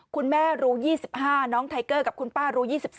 คุณแม่รู้๒๕น้องไทเกอร์กับคุณป้ารู้๒๔